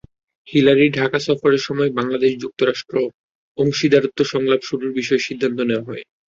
হিলারির ঢাকা সফরের সময় বাংলাদেশ-যুক্তরাষ্ট্র অংশীদারত্ব সংলাপ শুরুর বিষয়ে সিদ্ধান্ত নেওয়া হয়।